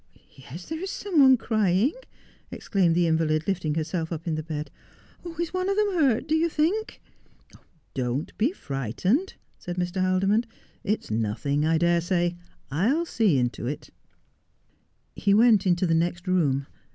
Yes, there is some one crying,' exclaimed the invalid, lifting herself up in the bed. ' Is one of them hurt, do you think ?'' Don't be frightened,' said Mr. Haldimond ;' it is nothing I dare say. I'll see into it.' He went into the next room.